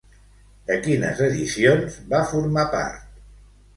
De quines edicions va formar part?